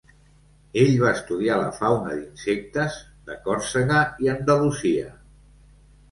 Ell va estudiar la fauna d'insectes de Còrsega i Andalusia.